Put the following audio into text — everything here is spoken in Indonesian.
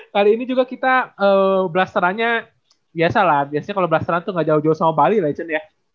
kali ini juga kita blasterannya biasa lah biasanya kalo blasteran tuh gak jauh jauh sama bali lah ya cen ya